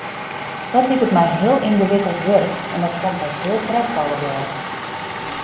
Dat liket my heel yngewikkeld wurk en dat komt ek heel krekt allegear.